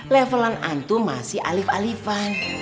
levelan antum masih alif alifan